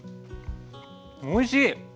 おいしい！